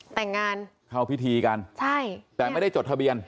แต่งงานเข้าพิธีกันใช่แต่ไม่ได้จดทะเบียน